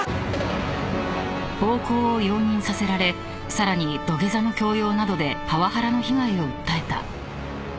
［暴行を容認させられさらに土下座の強要などでパワハラの被害を訴えた］